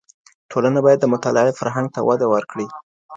ټولنه بايد د مطالعې فرهنګ ته وده ورکړي.